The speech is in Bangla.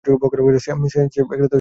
স্যাম কোথায় আছে, সালি?